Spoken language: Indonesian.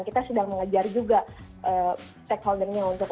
kita sudah mengejar juga stakeholdersnya untuk